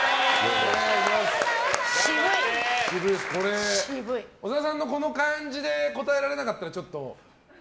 これ、小沢さんのこの感じで答えられなかったらちょっと。